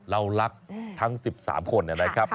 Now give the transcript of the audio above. เรารักทั้ง๑๓คนนะครับ